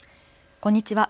こんにちは。